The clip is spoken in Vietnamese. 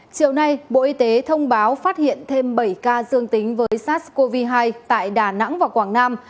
chiều nay bộ y tế thông báo phát hiện thêm bảy ca dương tính với sars cov hai tại đà nẵng và quảng nam